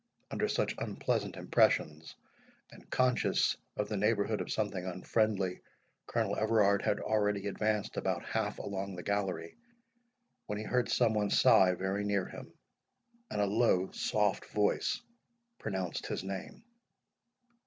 Under such unpleasant impressions, and conscious of the neighbourhood of something unfriendly, Colonel Everard had already advanced about half along the gallery, when he heard some one sigh very near him, and a low soft voice pronounce his name.